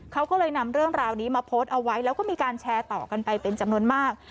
เขาก็เลยนำเรื่องราวนี้มาโพสต์เอาไว้แล้วก็มีการแชร์ต่อกันไปเป็นจำนวนมาก